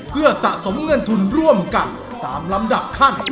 เพื่อสะสมเงินทุนร่วมกันตามลำดับขั้น